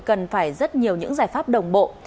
cần phải rất nhiều những giải pháp đồng bộ